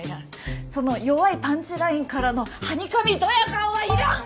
その弱いパンチラインからのはにかみどや顔はいらん！